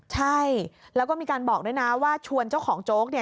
ใช่แล้วก็มีการบอกด้วยนะว่าชวนเจ้าของโจ๊กเนี่ย